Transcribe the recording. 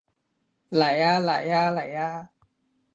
嚟吖嚟吖嚟吖